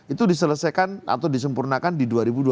itu diselesaikan atau disempurnakan di dua ribu dua puluh